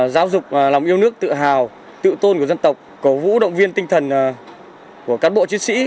giáo dục lòng yêu nước tự hào tự tôn của dân tộc cầu vũ động viên tinh thần của cán bộ chiến sĩ